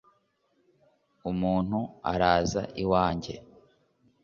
umuntu araza. iwanjye